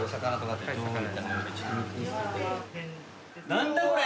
何だこれ？